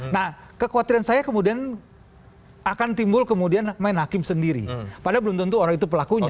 nah kekhawatiran saya kemudian akan timbul kemudian main hakim sendiri padahal belum tentu orang itu pelakunya